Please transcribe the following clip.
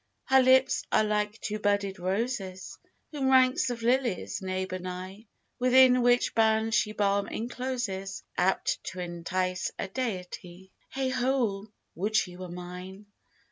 Her lips are like two budded roses Whom ranks of lilies neighbour nigh, Within which bounds she balm encloses Apt to entice a deity: Heigh ho, would she were mine!